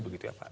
begitu ya pak